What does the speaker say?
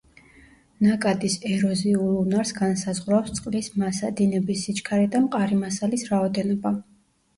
ნაკადის ეროზიულ უნარს განსაზღვრავს წყლის მასა, დინების სიჩქარე და მყარი მასალის რაოდენობა.